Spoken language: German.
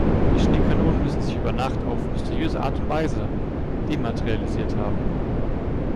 Die Schneekanonen müssen sich über Nacht auf mysteriöse Art und Weise dematerialisiert haben.